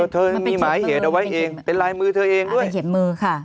เธอมีหมายเหตุเอาไว้เองเป็นลายมือเธอเองด้วยเหตุมือค่ะ